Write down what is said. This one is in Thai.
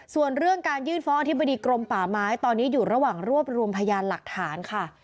ส่วนเรื่องการยื่นฟ้องอธิบดีกรมป่าไม้ตอนนี้อยู่ระหว่างรวบรวมพยานหลักฐานค่ะ